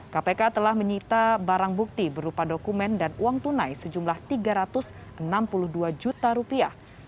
kpk telah menyita barang bukti berupa dokumen dan uang tunai sejumlah tiga ratus enam puluh dua juta rupiah